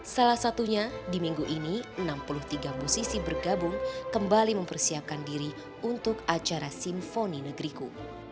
salah satunya di minggu ini enam puluh tiga musisi bergabung kembali mempersiapkan diri untuk acara simfoni negeriku